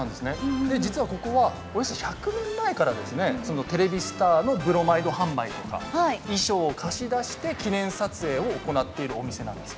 実は、ここはおよそ１００年前からテレビスターのブロマイド販売や衣装を貸し出して記念撮影を行っているお店なんです。